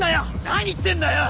何言ってんだよ！